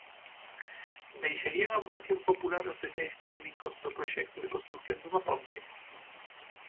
Deixarían a votación popular os detalles técnicos do proxecto de construción dunha ponte?